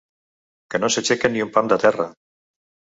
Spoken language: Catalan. Que no s'aixequen ni un pam de terra.